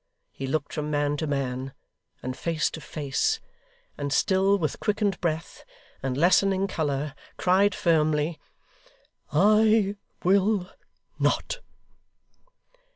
He looked from man to man, and face to face, and still, with quickened breath and lessening colour, cried firmly, 'I will not!